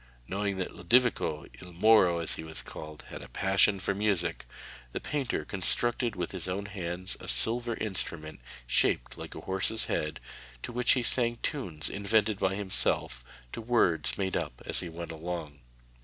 Knowing that Lodovico il Moro, as he was called had a passion for music, the painter constructed with his own hands a silver instrument, shaped like a horse's head, to which he sang tunes invented by himself, to words made up as he went along.